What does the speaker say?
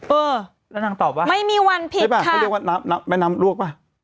เออแล้วนางตอบว่าไม่มีวันผิดค่ะเขาเรียกว่าน้ำแม่น้ำรวกป่ะ